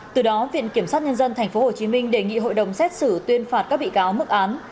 từ đó viện kiểm sát nhân dân tp hcm đề nghị hội đồng xét xử tuyên phạt các bị cáo mức án